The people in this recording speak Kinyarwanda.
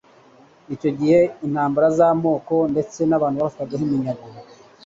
Icyo gihe intambara z'amoko ndetse n'abantu bafatwagaho iminyago